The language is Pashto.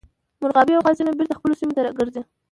مرغابۍ او قازونه بیرته خپلو سیمو ته راګرځي